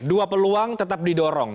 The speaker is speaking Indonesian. dua peluang tetap didorong